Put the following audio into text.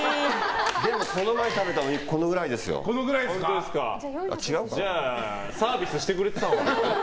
でもこの前食べたお肉このくらいですよ。じゃあサービスしてくれていたのかな。